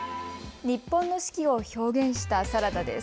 日本の四季を表現したサラダです。